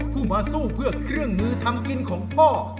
ผู้มาสู้เพื่อเครื่องมือทำกินของพ่อ